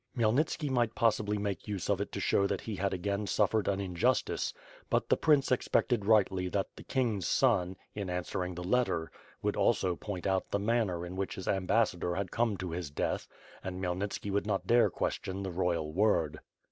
iChmyelnitski might possibly make use of it to show that he had again suffered an injustice, but the prince expected rightly that the king's son, in answering the letter, would also point out the manner in which his ambassador had come to his death, and Khmyelnitski would not dare question the royal word.